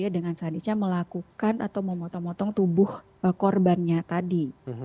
dengan sadisnya melakukan atau memotong motong tubuh korbannya tadi